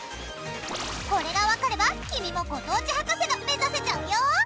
これがわかれば君もご当地博士が目指せちゃうよ！